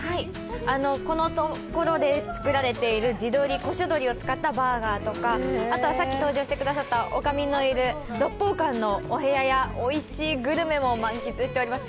この所で作られている地鶏古処鶏を使ったバーガーとかあとはさっき登場してくださった女将のいる六峰舘のお部屋やおいしいグルメも満喫しております